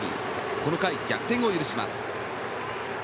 この回、逆転を許します。